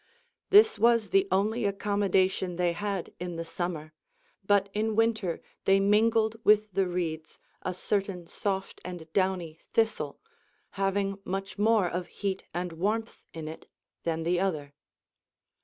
This was the only accommodation they had in the summer, but in winter they mingled with the reeds a certain soft and downy thistle, having much more of heat and Λvarmth in it than the other.